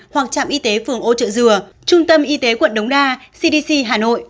hoặc trạm y tế phường ô trợ dừa trung tâm y tế quận đống đa cdc hà nội